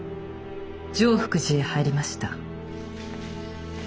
常福寺へ入りました。